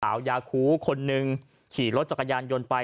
สาวยาคูคนหนึ่งขี่รถจักรยานยนต์ไป